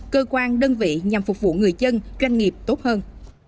cơ quan đơn vị nhằm phục vụ người dân doanh nghiệp tốt hơn